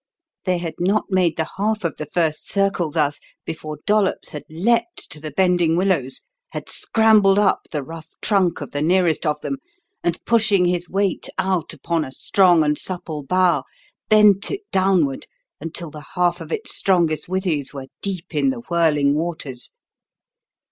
They had not made the half of the first circle thus before Dollops had leaped to the bending willows, had scrambled up the rough trunk of the nearest of them, and, pushing his weight out upon a strong and supple bough, bent it downward until the half of its strongest withes were deep in the whirling waters.